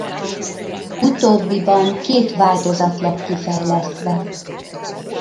Utóbbiban két változat lett kifejlesztve.